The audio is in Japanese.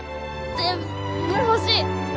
全部欲しい。